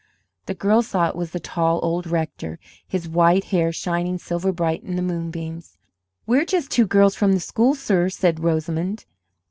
The girls saw it was the tall old rector, his white hair shining silver bright in the moonbeams. "We're just two girls from the school, sir," said Rosamond.